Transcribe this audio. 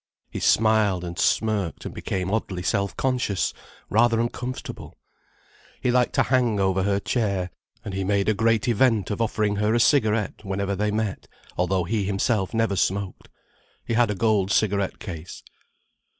He smiled and smirked and became oddly self conscious: rather uncomfortable. He liked to hang over her chair, and he made a great event of offering her a cigarette whenever they met, although he himself never smoked. He had a gold cigarette case.